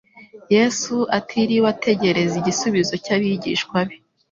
Yesu atiriwe ategereza igisubizo cy'abigishwa be,